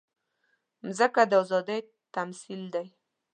مځکه د ازادۍ تمثیل ده.